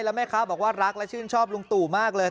แล้วแม่ค้าบอกว่ารักและชื่นชอบลุงตู่มากเลย